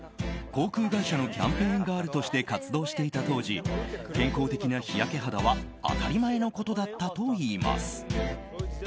航空会社のキャンペーンガールとして活動していた当時健康的な日焼け肌は当たり前のことだったといいます。